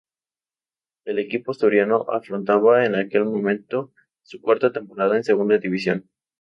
El equipo asturiano afrontaba en aquel momento su cuarta temporada en Segunda División.